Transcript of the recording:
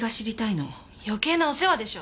余計なお世話でしょ。